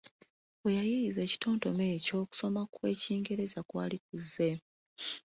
Weyayiiyiza ekitontome ekyo okusoma kw’Ekingereza kwali kuzze.